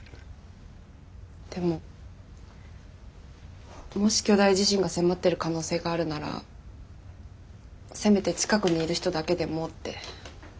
でももし巨大地震が迫ってる可能性があるならせめて近くにいる人だけでもって。